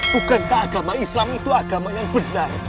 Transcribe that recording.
bukankah agama islam itu agama yang benar